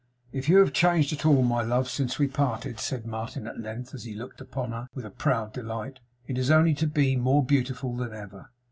'If you have changed at all, my love, since we parted,' said Martin at length, as he looked upon her with a proud delight, 'it is only to be more beautiful than ever!